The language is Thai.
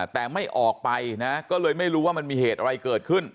แต่ไม่ออกไปนะก็เลยไม่รู้ว่ามันมีเหตุอะไรเกิดขึ้น